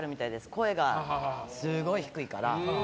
声がすごい低いから。